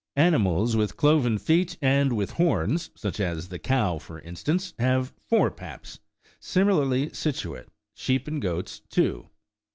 Animals with cloven feet and with horns, such as the cow, for instance, have four paps, similarly situate, sheep and goats two.